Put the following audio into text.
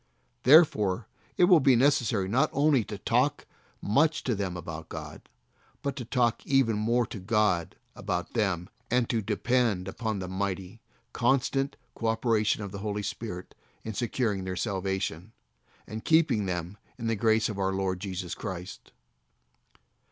Therefore it will be necessary not only to talk much to them about God, but to talk even more to God about them, and to depend upon the mighty, constant co operation of the Holy Spirit in securing their salvation, and keeping them in the grace of our Lord Jesus Christ.